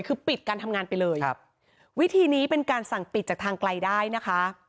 คือปิดการทำงานไปเลยครับวิธีนี้เป็นการสั่งปิดจากทางไกลได้นะคะ